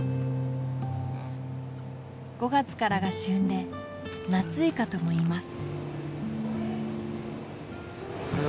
５月からが旬で夏イカともいいます。